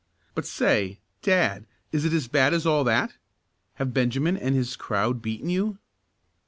But say, dad, is it as bad as all that? Have Benjamin and his crowd beaten you?"